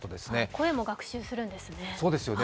声も学習するんですね。